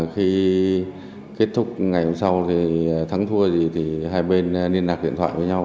khi kết thúc ngày hôm sau thì thắng thua gì thì hai bên liên lạc điện thoại với nhau